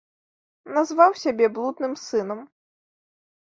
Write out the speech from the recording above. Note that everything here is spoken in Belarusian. Назваў сябе блудным сынам.